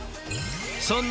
［そんな］